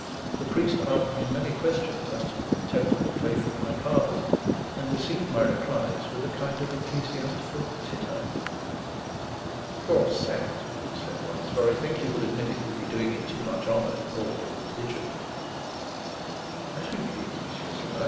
The priest asked me many questions as to the contemptible faith of my fathers, and received my replies with a kind of ecclesiastical titter. "Your sect," he said once; "for I think you will admit it would be doing it too much honour to call it a religion." "As you please, monsieur," said I.